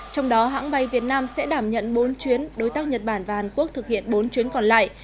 trong đó hãng bay việt nam sẽ đảm nhận bốn chuyến đối tác nhật bản và hàn quốc thực hiện bốn chuyến còn lại